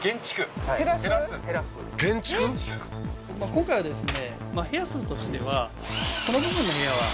今回はですね